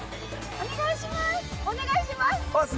お願いします。